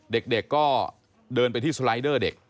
เด็กก็เดินไปที่สไลเดอร์เด็ก